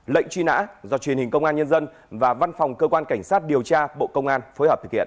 lệnh truy nã do truyền hình công an nhân dân và văn phòng cơ quan cảnh sát điều tra bộ công an phối hợp thực hiện